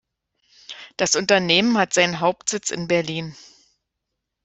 Das Unternehmen hat seinen Hauptsitz in Berlin.